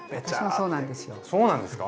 そうなんですか？